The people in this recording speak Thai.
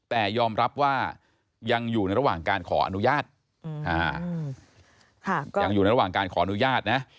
แต่ยอมรับว่ายังอยู่ในระหว่างการขออนุญาต